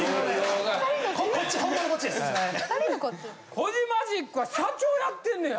コジマジックは社長やってんねや？